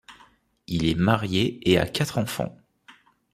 Il est marié et a quatre enfants.